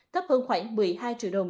tấp hơn khoảng một mươi hai triệu đồng